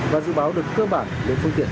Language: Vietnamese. và dự báo được cơ bản đến phương tiện